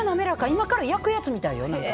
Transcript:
今から焼くやつみたい。